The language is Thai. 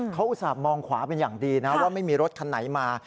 เขาอุตส่าหมองขวาเป็นอย่างดีนะว่าไม่มีรถคันไหนมา